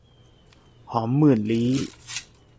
หอมหมื่นลี้